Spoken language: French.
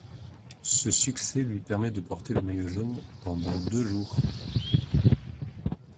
Ce succès lui permet de porter le maillot jaune pendant deux jours.